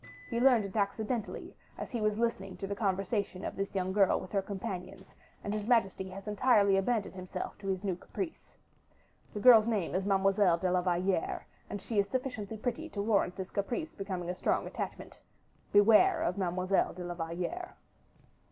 He learned it accidentally, as he was listening to the conversation of this young girl with her companions; and his majesty has entirely abandoned himself to his new caprice. The girl's name is Mademoiselle de la Valliere, and she is sufficiently pretty to warrant this caprice becoming a strong attachment. Beware of Mademoiselle de la Valliere."